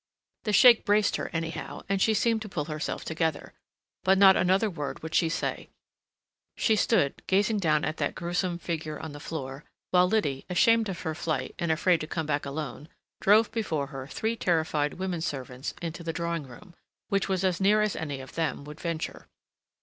The shake braced her, anyhow, and she seemed to pull herself together. But not another word would she say: she stood gazing down at that gruesome figure on the floor, while Liddy, ashamed of her flight and afraid to come back alone, drove before her three terrified women servants into the drawing room, which was as near as any of them would venture.